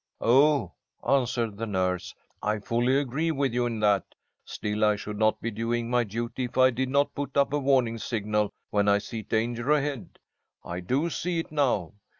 "Oh," answered the nurse, "I fully agree with you in that, still I should not be doing my duty if I did not put up a warning signal when I see danger ahead. I do see it now.